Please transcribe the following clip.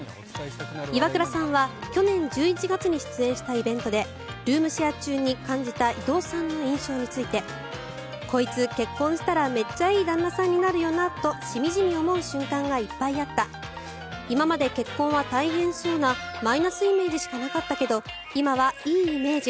イワクラさんは去年１１月に出演したイベントでルームシェア中に感じた伊藤さんの印象についてこいつ、結婚したらめっちゃいい旦那さんになるよなとしみじみ思う瞬間がいっぱいあった今まで結婚は大変そうなマイナスイメージしかなかったけど今はいいイメージ。